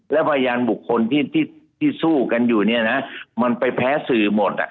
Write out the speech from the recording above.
และพยานบุคคลที่สู้กันอยู่มันไปแพ้สื่อหมด